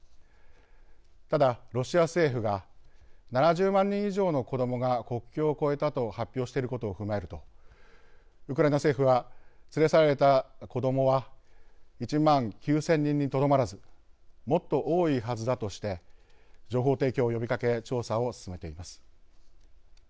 ただ、ロシア政府が７０万人以上の子どもが国境を越えたと発表していることを踏まえるとウクライナ政府は連れ去られた子どもは１万９０００人にとどまらずもっと多いはずだとして情報提供を呼びかけ調査を進めています。